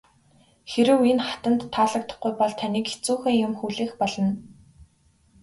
Хэрэв энэ хатанд таалагдахгүй бол таныг хэцүүхэн юм хүлээх болно.